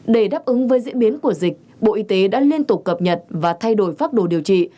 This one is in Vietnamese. để đáp ứng với diễn biến của dịch bộ y tế đã liên tục cập nhật và thay đổi phác đồ điều trị